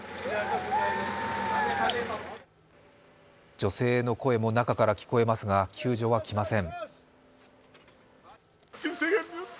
女性の声も中から聞こえますが、救助は来ません。